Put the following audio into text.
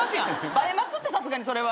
バレますってさすがにそれは。